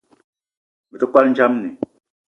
Me te kwal ndjamni